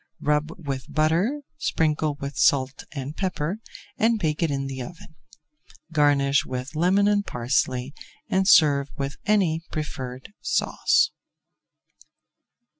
Rub with butter, sprinkle with salt and pepper, and bake in the oven. Garnish with lemon and parsley and serve with any preferred sauce.